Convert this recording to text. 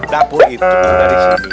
dapur itu dari sini